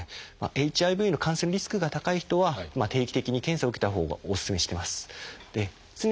ＨＩＶの感染リスクが高い人は定期的に検査を受けたほうがお勧めしてます。